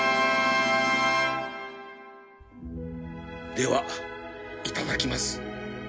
ではいただきます